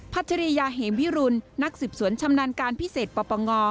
ัชริยาเหมวิรุณนักสืบสวนชำนาญการพิเศษปปง